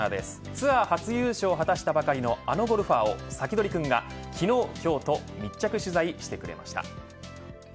ツアー初優勝を果たしたばかりのあのゴルファーをサキドリくんが昨日、今日と密着取材してくれました。